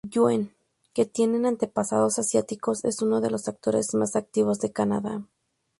Yuen, que tiene antepasados asiáticos, es uno de los actores más activos de Canadá.